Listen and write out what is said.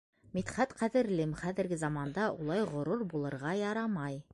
Мидхәт, ҡәҙерлем, хәҙерге заманда улай ғорур булырға ярамай.